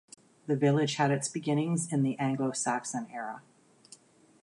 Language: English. The village had its beginnings in the Anglo-Saxon era.